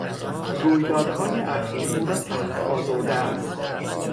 رویدادهای اخیر او را سخت آزرده است.